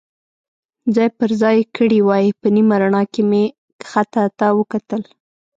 ځای پر ځای کړي وای، په نیمه رڼا کې مې کښته ته وکتل.